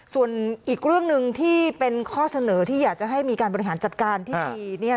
ส่วนอีกเรื่องหนึ่งที่เป็นข้อเสนอที่อยากจะให้มีการบริหารจัดการที่ดี